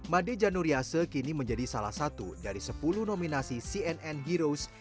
made januriase kini menjadi salah satu dari sepuluh nominasi cnn heroes